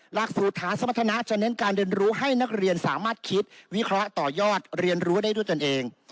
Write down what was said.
หลักสูตรฐานสมรรถนะจะเน้นการเรียนรู้ให้นักเรียนสามารถคิดวิเคราะห์ต่อยอดเรียนรู้ได้ด้วยตนเอง